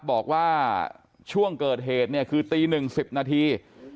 บอกว่าช่วงเกิดเหตุเนี่ยคือตี๑๐นาที